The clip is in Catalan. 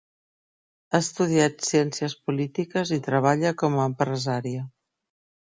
Ha estudiat ciències polítiques i treballa com a empresària.